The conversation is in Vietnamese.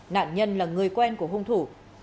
nạn nhân là người quen của hùng thủ